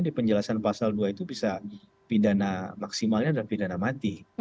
di penjelasan pasal dua itu bisa pidana maksimalnya adalah pidana mati